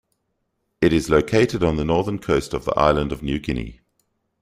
It is located on the northern coast of the island of New Guinea.